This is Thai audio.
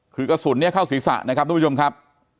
คือกระสุนเนี่ยเข้าศีรษะนะครับทุกผู้ชมครับ